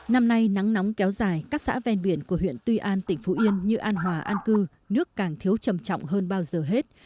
năm nay nắng nóng kéo dài các xã ven biển của huyện tuy an tỉnh phú yên như an hòa an cư nước càng thiếu trầm trọng hơn bao giờ hết